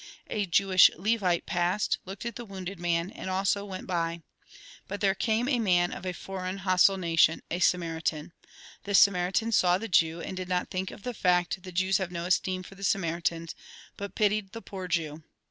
A Jewish Levite passed, looked at the wounded man, and also went by. But there came a man of a foreign, hostile nation, a Samaritan. This Samaritan saw the Jew, and did not think of the fact that Jews have no esteem for the Samaritans, but pitied the poor Jew.